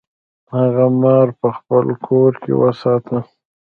هغه مار په خپل کور کې وساته.